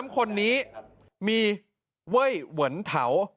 ๓คนนี้มีเว้ยเหมือนเถา